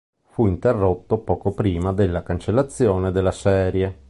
Fu interrotto poco prima della cancellazione della serie.